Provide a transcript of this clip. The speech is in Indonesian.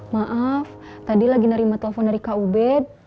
maaf tadi lagi nerima telepon dari kub